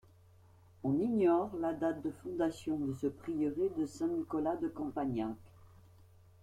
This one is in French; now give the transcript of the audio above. On ignore la date de fondation de ce prieuré de Saint-Nicolas de Campagnac.